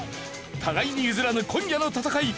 互いに譲らぬ今夜の戦い。